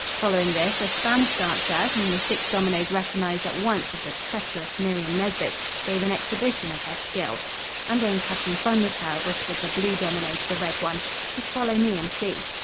Following this, a Spanish dancer, whom the six dominoes recognized at once as the treacherous Miriam Nesbit, gave an exhibition of her skill. "I'm going to have some fun with her," whispered the blue domino to the red one. "Just follow me and see."